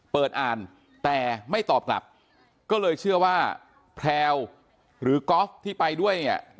เปิดอ่านแต่ไม่ตอบกลับก็เลยเชื่อว่าแพลวหรือก๊อฟที่ไปด้วยเนี่ย